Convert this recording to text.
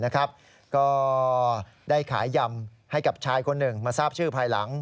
ก็ได้ขายยำให้กับชายคนหนึ่งมาทราบชื่อภายหลัง